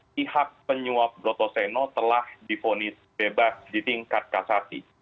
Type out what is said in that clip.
pihak penyuap brotoseno telah difonis bebas di tingkat kasasi